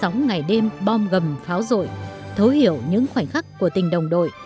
năm mươi sáu ngày đêm bom gầm pháo rội thối hiểu những khoảnh khắc của tình đồng đội